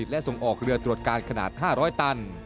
และส่งออกเรือตรวจการขนาด๕๐๐ตัน